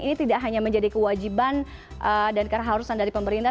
ini tidak hanya menjadi kewajiban dan keharusan dari pemerintah